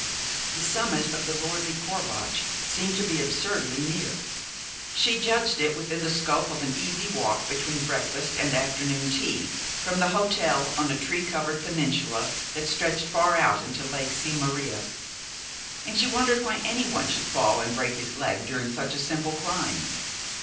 The summit of the lordly Corvatsch seemed to be absurdly near. She judged it within the scope of an easy walk between breakfast and afternoon tea from the hotel on a tree covered peninsula that stretched far out into Lake Sils Maria, and she wondered why anyone should fall and break his leg during such a simple climb.